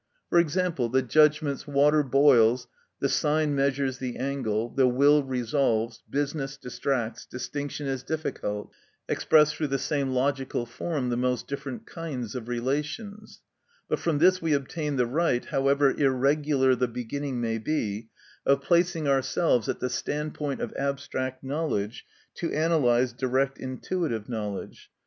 For example, the judgments, "Water boils, the sine measures the angle, the will resolves, business distracts, distinction is difficult," express through the same logical form the most different kinds of relations; but from this we obtain the right, however irregular the beginning may be, of placing ourselves at the standpoint of abstract knowledge to analyse direct intuitive knowledge.